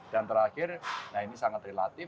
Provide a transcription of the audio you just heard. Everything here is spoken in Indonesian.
dan terakhir nah ini sangat relatif